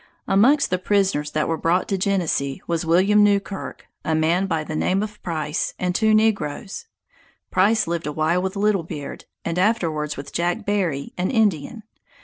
Amongst the prisoners that were brought to Genesee, was William Newkirk, a man by the name of Price, and two negroes. Price lived a while with Little Beard, and afterwards with Jack Berry, an Indian.